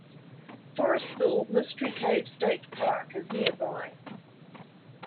Forestville Mystery Cave State Park is nearby.